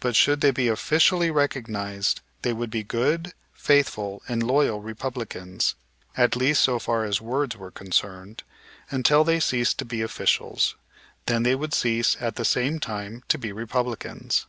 But should they be officially recognized they would be good, faithful, and loyal Republicans, at least so far as words were concerned, until they ceased to be officials, when they would cease at the same time to be Republicans.